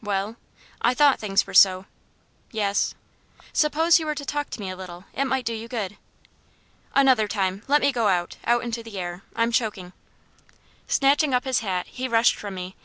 "Well?" "I thought things were so." "Yes." "Suppose you were to talk to me a little it might do you good." "Another time. Let me go out out into the air; I'm choking." Snatching up his hat, he rushed from me.